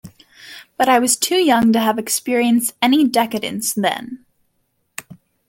But I was too young to have experienced any decadence, then.